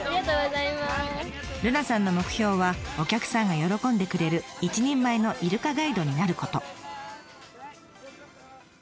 瑠奈さんの目標はお客さんが喜んでくれる一人前のイルカガイドになること。